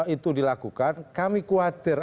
itu dilakukan kami kuatir